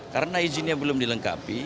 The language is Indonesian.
karena izinnya belum dilengkapi